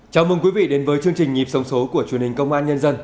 chào mừng quý vị đến với chương trình nhịp sống số của truyền hình công an nhân dân